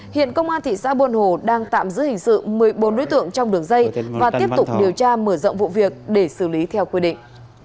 hiện công an thị xã buôn hồ đang tạm giữ hình sự một mươi bốn đối tượng trong đường dây và tiếp tục điều tra mở rộng vụ việc để xử lý theo quy định